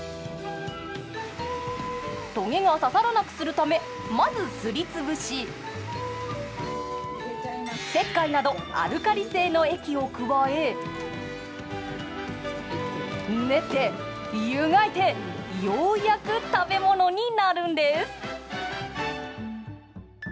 棘が刺さらなくするためまずすり潰し石灰などアルカリ性の液を加え練って湯がいてようやく食べ物になるんです。